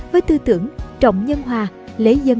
với tư tưởng trọng nhân hòa lấy dân